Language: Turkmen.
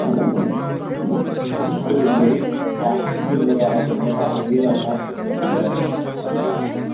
Uruş döwürleri, açlyk ýyllary adamlar agzybir ýaşapdyrlar diýýäler.